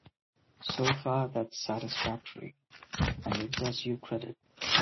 So far that's satisfactory, and it does you credit.